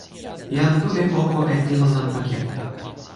jan Tu li oko e ilo nanpa kin.